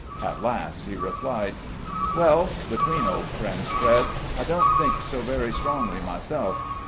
At last he replied: "Well, between old friends, Fred, I don't think so very strongly myself.